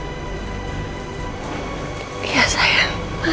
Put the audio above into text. karena udah begitu keras sama kamu tadi